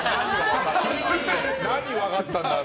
何分かったんだろう。